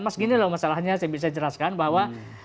mas gini loh masalahnya saya bisa jelaskan bahwa